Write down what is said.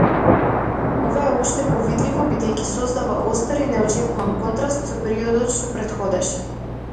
Ова е уште повидливо бидејќи создава остар и неочекуван контраст со периодот што претходеше.